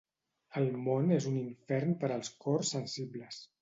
El món és un infern per als cors sensibles.